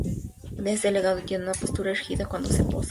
Es delgado y tiene una postura erguida cuando se posa.